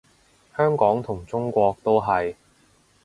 香港同中國都係